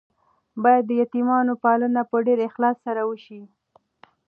باید د یتیمانو پالنه په ډیر اخلاص سره وشي.